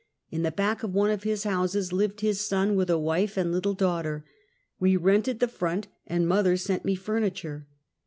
In the back of one of his houses, lived his son with a wife and little daughter. "We rented the front, and mother sent me furnitiire.